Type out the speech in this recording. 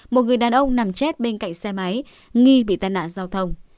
một người đàn ông nằm chết bên cạnh xe máy nghi bị tai nạn giao thông